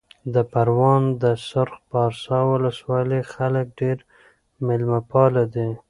د پروان د سرخ پارسا ولسوالۍ خلک ډېر مېلمه پاله دي.